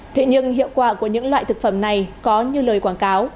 thế nhưng hiệu quả của những loại thực phẩm này có như lời quảng cáo